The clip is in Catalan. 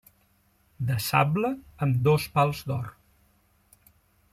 De sable amb dos pals d'or.